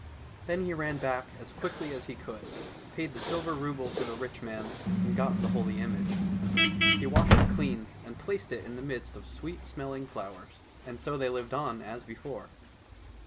Then he ran back as quickly as he could, paid the silver rouble to the rich man, and got the holy image. He washed it clean and placed it in the midst of sweet smelling flowers. And so they lived on as before.